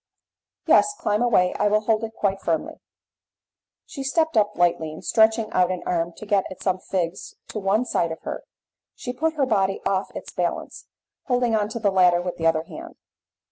"Yes, climb away; I will hold it quite firmly." She stepped up lightly, and stretching out an arm to get at some figs to one side of her, she put her body off its balance, holding on to the ladder with the other hand.